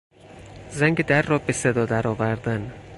زنگ در را به صدا درآوردن